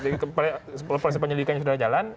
nah proses penyelidikan sudah jalan